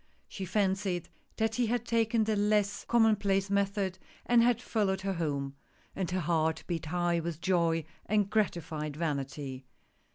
She fancied that he had taken the less commonplace method, and had followed her home, and her heart beat high with joy and grati fied vanity.